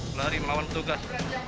lari lari melawan petugas